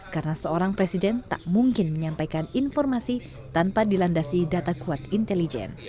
karena seorang presiden tak mungkin menyampaikan informasi tanpa dilandasi data kuat intelijen